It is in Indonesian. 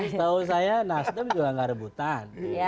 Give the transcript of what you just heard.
setahu saya nasdem juga nggak rebutan